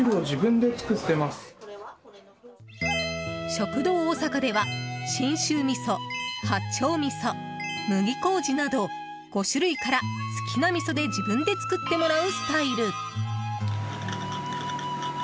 食堂おさかでは信州味噌、八丁味噌、麦麹など５種類から好きなみそで自分で作ってもらうスタイル。